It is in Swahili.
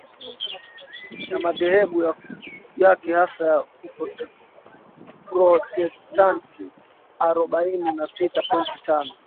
ya madhehebu yake hasa ya Uprotestanti arobaini na sita point tano